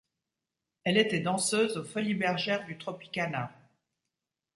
Elle était danseuse aux Folies Bergère du Tropicana.